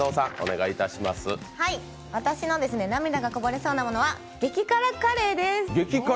私の涙がこぼれそうなものは激辛カレーです。